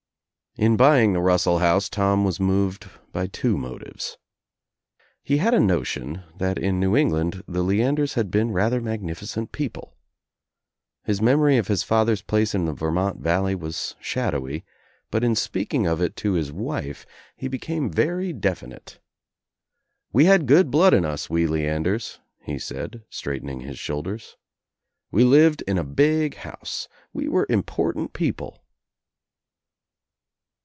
In buying the Russell house Tom was moved by two motives. He had a notion that in New England the Leanders had been rather magnificent people. His memory of his father's place in the Vermont valley was shadowy, but in speaking of it to his wife he I I THE NEW ENGLANDER 141 became very definite. "Wc had good blood in us, we Leanders," he said, straightening his shoulders. "We lived in a big house. We were important people."